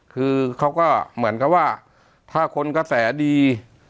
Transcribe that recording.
คือเขาก็เหมือนกับว่าถ้าคนกระแสดี